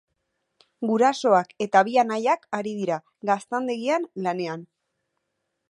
Gurasoak eta bi anaiak ari dira gaztandegian lanean.